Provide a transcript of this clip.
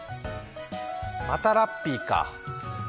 またラッピーか。